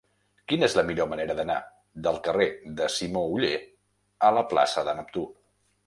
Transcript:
Quina és la millor manera d'anar del carrer de Simó Oller a la plaça de Neptú?